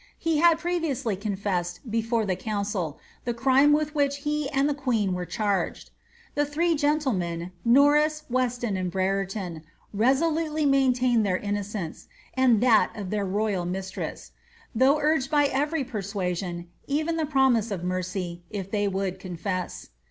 He had previously confessed, before the council, the crime with which he and the queen were charged. The three gentlemen, Norrii, Weston, and Brereton, resolutely maintained their innocence, and that of tlieir royal mistress, though urged by every persuasive, even the pro mise of mercy, if they would confess.